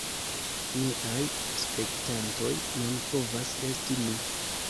Miaj spektantoj nun povas esti mi